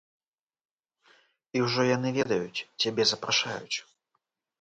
І ўжо яны ведаюць, цябе запрашаюць.